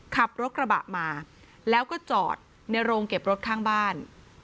ขับรถกระบะมาแล้วก็จอดในโรงเก็บรถข้างบ้าน